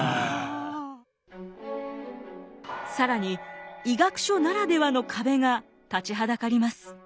更に医学書ならではの壁が立ちはだかります。